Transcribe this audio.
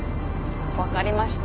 分かりました。